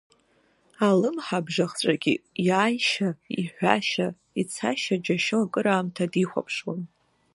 Алымҳабжахҵәагьы иааишьа, иҳәашьа, ицашьа џьашьо акыраамҭа дихәаԥушан.